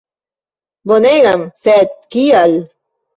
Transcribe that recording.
Bonegan, sed kial?